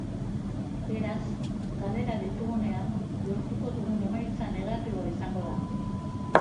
Beraz, galerak ditugunean, lortuko dugun emaitza negatiboa izango da.